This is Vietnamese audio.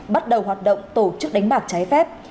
bắt đầu hoạt động tổ chức đánh bạc trái phép